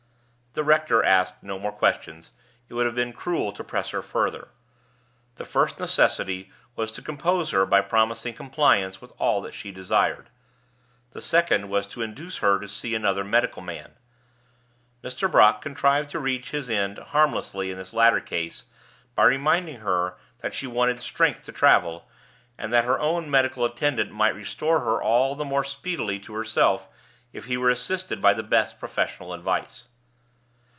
The rector asked no more questions; it would have been cruel to press her further. The first necessity was to compose her by promising compliance with all that she desired. The second was to induce her to see another medical man. Mr. Brock contrived to reach his end harmlessly in this latter case by reminding her that she wanted strength to travel, and that her own medical attendant might restore her all the more speedily to herself if he were assisted by the best professional advice.